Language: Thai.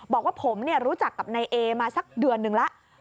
บอกว่าผมรู้จักกับนายเอมาสักเดือนหนึ่งแล้ว